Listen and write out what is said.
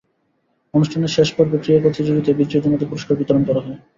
অনুষ্ঠানের শেষ পর্বে ক্রীড়া প্রতিযোগিতায় বিজয়ীদের মাঝে পুরস্কার বিতরণ করা হয়।